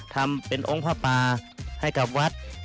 ทำเป็นองค์พระปาให้กับวัด